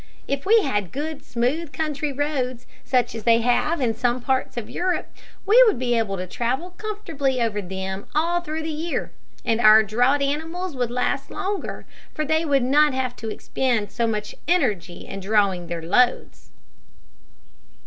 If we had good, smooth, country roads, such as they have in some parts of Europe, we would be able to travel comfortably over them all through the year, and our draught animals would last longer, for they would not have to expend so much energy in drawing their loads."